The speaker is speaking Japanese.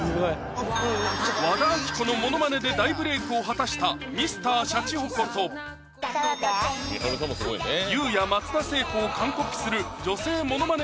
和田アキ子のモノマネで大ブレークを果たしたＭｒ．シャチホコとＹＯＵや松田聖子を完コピする女性モノマネ